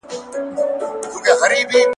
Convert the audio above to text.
• چي غل نه يم د باچا څخه نه بېرېږم.